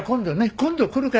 今度来るから。